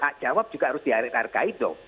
hak jawab juga harus dihargai dong